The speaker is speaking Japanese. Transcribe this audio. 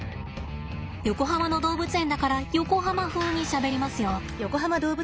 横浜の動物園だから横浜風にしゃべりますよ。